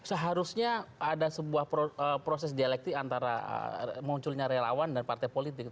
seharusnya ada sebuah proses dialektik antara munculnya relawan dan partai politik